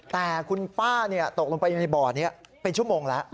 แต่คุณป้าตกลงไปอยู่ในบ่อนี้เป็นชั่วโมงแล้ว